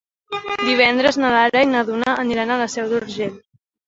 Divendres na Lara i na Duna aniran a la Seu d'Urgell.